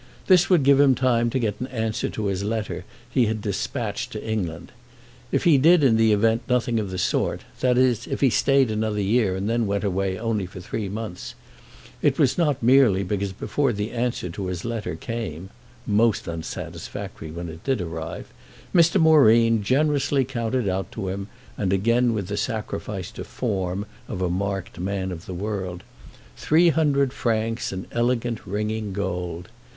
This would give him time to get an answer to a letter he had despatched to England. If he did in the event nothing of the sort—that is if he stayed another year and then went away only for three months—it was not merely because before the answer to his letter came (most unsatisfactory when it did arrive) Mr. Moreen generously counted out to him, and again with the sacrifice to "form" of a marked man of the world, three hundred francs in elegant ringing gold.